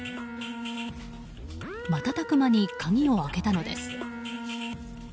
瞬く間に鍵を開けたのです。